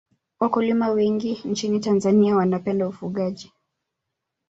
Wakulima wengi nchini tanzania wanapenda ufugaji